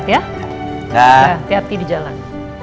hati hati di jalan